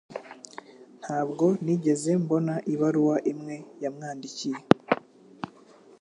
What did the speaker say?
Ntabwo nigeze mbona ibaruwa imwe yamwandikiye